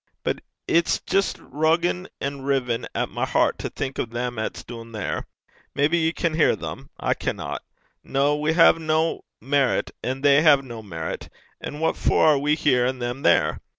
But it's jist ruggin' an' rivin' at my hert to think o' them 'at's doon there. Maybe ye can hear them. I canna. Noo, we hae nae merit, an' they hae nae merit, an' what for are we here and them there?